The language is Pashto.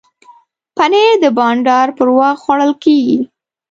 پنېر د بانډار پر وخت خوړل کېږي.